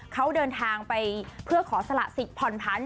เขาเดินทางไปเพื่อขอศพผ่อนภัณฑ์